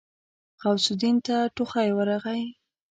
غوث الدين ته ټوخی ورغی.